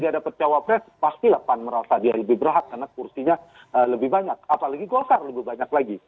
oke jadi parabel kedua jadi kalau ketiga dapat cawapres pasti lah pan merasa dia lebih berat karena kursinya lebih banyak apalagi golkar lebih banyak lagi